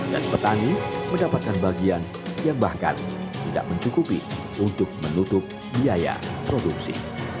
dan petani mendapatkan bagian yang bahkan tidak mencukupi untuk menutup biaya produksi